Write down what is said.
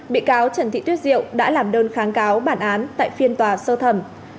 bị cáo trần thị tuyết diệu đã làm đơn kháng cáo bản án tại phiên tòa sơ thẩm